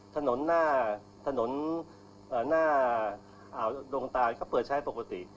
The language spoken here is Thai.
สถนน่าอ่ะดองตาลเช่นเปิดใช้ปกติ